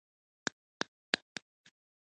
راته یې وویل چې موږ خو په عینومېنه کې یو.